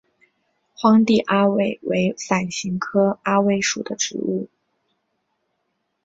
荒地阿魏为伞形科阿魏属的植物。